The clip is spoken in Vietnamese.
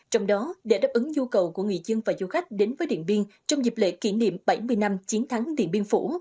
trong đó để đáp ứng nhu cầu của người dân và du khách đến với điện biên trong dịp lễ kỷ niệm bảy mươi năm chiến thắng điện biên phủ